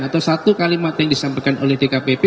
atau satu kalimat yang disampaikan oleh dkpp